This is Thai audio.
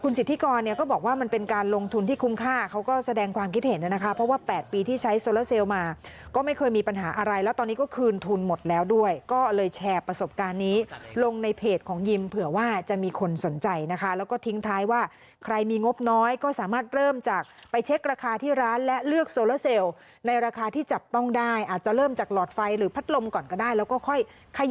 นะคะเพราะว่า๘ปีที่ใช้โซลาเซลมาก็ไม่เคยมีปัญหาอะไรแล้วตอนนี้ก็คืนทุนหมดแล้วด้วยก็เลยแชร์ประสบการณ์นี้ลงในเพจของยิมเผื่อว่าจะมีคนสนใจนะคะแล้วก็ทิ้งท้ายว่าใครมีงบน้อยก็สามารถเริ่มจากไปเช็คราคาที่ร้านและเลือกโซลาเซลในราคาที่จับต้องได้อาจจะเริ่มจากหลอดไฟหรือพัดลมก่อนก็ได้แล้วก็ค